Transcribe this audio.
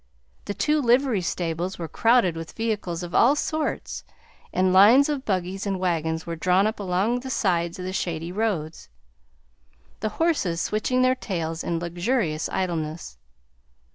The two livery stables were crowded with vehicles of all sorts, and lines of buggies and wagons were drawn up along the sides of the shady roads, the horses switching their tails in luxurious idleness.